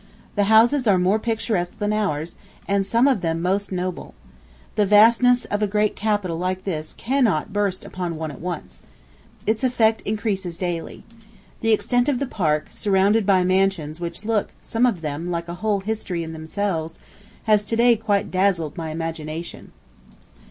The houses are more picturesque than ours, and some of them most noble. The vastness of a great capital like this cannot burst upon one at once. Its effect increases daily. The extent of the Park, surrounded by mansions which look, some of them, like a whole history in themselves, has to day quite dazzled my imagination.